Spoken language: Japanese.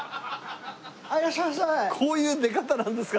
こういう出方なんですか？